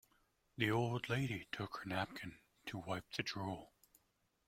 The old lady took her napkin to wipe the drool.